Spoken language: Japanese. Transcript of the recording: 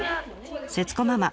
節子ママ